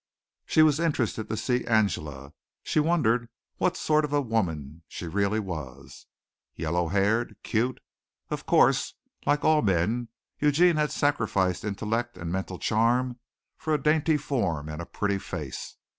She was interested to see Angela. She wondered what sort of a woman she really was. "Yellow haired! Cute!" Of course, like all men, Eugene had sacrificed intellect and mental charm for a dainty form and a pretty face.